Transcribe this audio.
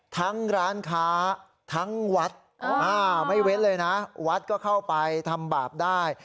ทั้งร้านค้าทั้งวัดไม่เว้นเลยนะวัดก็เข้าไปทำบาปได้